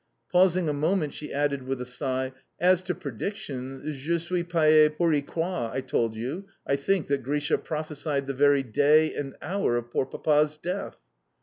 Pausing a moment, she added with a sigh: "As to predictions, je suis payee pour y croire, I told you, I think, that Grisha prophesied the very day and hour of poor Papa's death?"